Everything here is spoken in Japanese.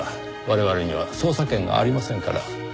我々には捜査権がありませんから。